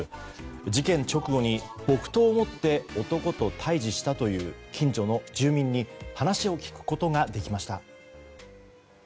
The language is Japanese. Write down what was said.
事件直後に木刀を持って男と対峙したという近所の住民に話を聞くことができました。